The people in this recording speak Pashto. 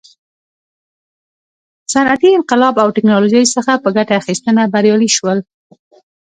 صنعتي انقلاب او ټکنالوژۍ څخه په ګټه اخیستنه بریالي شول.